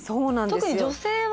特に女性は。